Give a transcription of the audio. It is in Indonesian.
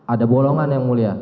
ada bolongan yang mulia